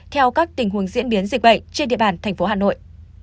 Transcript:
theo các tình huống diễn biến dịch bệnh trên địa bàn tp hà nội